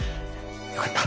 よかった。